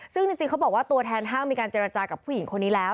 ซึ่งจริงเขาบอกว่าตัวแทนห้างมีการเจรจากับผู้หญิงคนนี้แล้ว